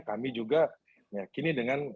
kami juga meyakini dengan keterangan klien saya